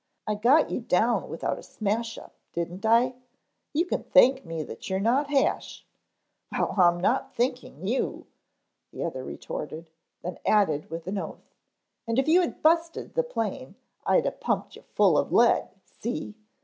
I got you down without a smashup, didn't I? You can thank me that you're not hash " "Well, I'm not thanking you," the other retorted, then added with an oath, "and if you had busted the plane, I'd a pumped you full of lead, see.